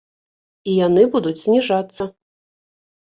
І яны будуць зніжацца.